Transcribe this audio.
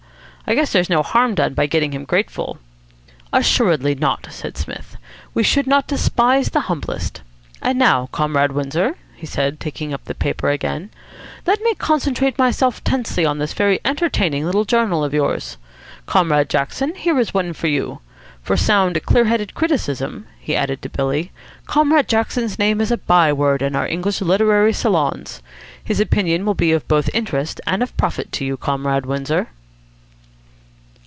I guess there's no harm done by getting him grateful." "Assuredly not," said Psmith. "We should not despise the humblest. And now, Comrade Windsor," he said, taking up the paper again, "let me concentrate myself tensely on this very entertaining little journal of yours. Comrade Jackson, here is one for you. For sound, clear headed criticism," he added to Billy, "Comrade Jackson's name is a by word in our English literary salons. His opinion will be both of interest and of profit to you, Comrade Windsor."